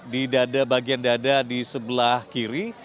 di bagian dada di sebelah kiri